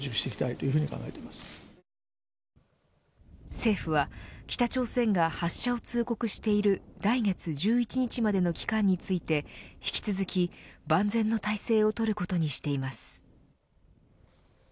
政府は北朝鮮が発射を通告している来月１１日までの期間について引き続き万全の態勢をとることにしています。